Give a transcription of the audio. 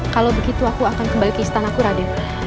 kalau begitu aku akan kembali ke istanaku radit